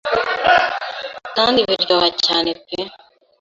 kandi biryoha cyane pe